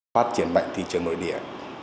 phát triển mạnh thị trường nội địa